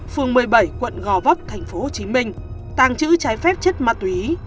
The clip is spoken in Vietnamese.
phường một mươi bảy quận gò vấp tp hcm tàng trữ trái phép chất ma túy